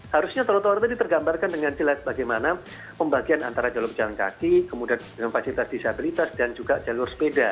harusnya trotoar tadi tergambarkan dengan jelas bagaimana pembagian antara jalur pejalan kaki kemudian dengan fasilitas disabilitas dan juga jalur sepeda